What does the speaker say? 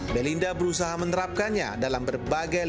belinda berusaha menerapkannya dalam berbagai liga